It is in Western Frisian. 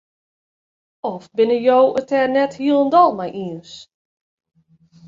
Of binne jo it dêr net hielendal mei iens?